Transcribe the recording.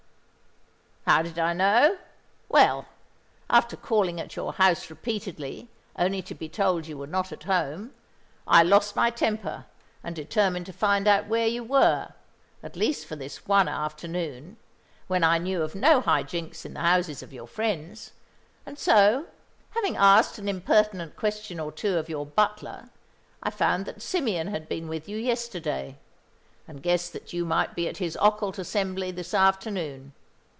"How did I know? Well, after calling at your house repeatedly, only to be told you were not at home, I lost my temper, and determined to find out where you were at least for this one afternoon, when I knew of no high jinks in the houses of your friends; and so, having asked an impertinent question or two of your butler, I found that Symeon had been with you yesterday, and guessed that you might be at his occult assembly this afternoon.